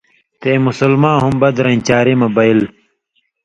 تے مسلماں ہُم بدرَیں چاری مہ بَیل۔